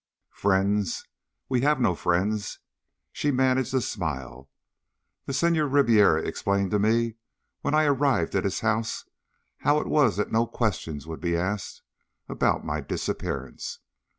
"Friends? We have no friends." She managed a smile. "The Senhor Ribiera explained to me when I arrived at his house how it was that no questions would be asked about my disappearance.